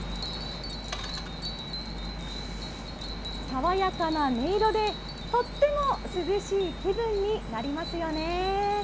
爽やかな音色で、とっても涼しい気分になりますよね。